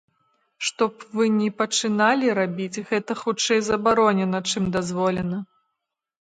Што б вы ні пачыналі рабіць, гэта хутчэй забаронена, чым дазволена.